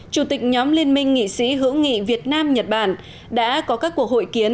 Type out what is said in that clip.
chủ tịch nhóm liên minh nghị sĩ hữu nghị việt nam nhật bản đã có các cuộc hội kiến